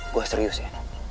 gue serius ya